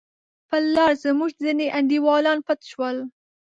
پر لار زموږ ځیني انډیوالان پټ شول.